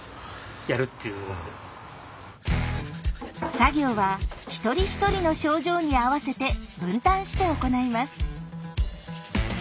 作業は一人一人の症状に合わせて分担して行います。